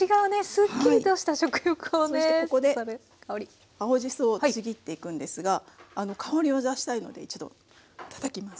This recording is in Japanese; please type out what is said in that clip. そしてここで青じそをちぎっていくんですが香りを出したいので一度たたきます。